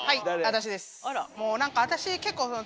私です。